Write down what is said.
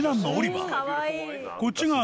こっちが。